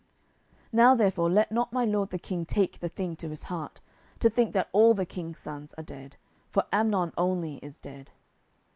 10:013:033 Now therefore let not my lord the king take the thing to his heart, to think that all the king's sons are dead: for Amnon only is dead.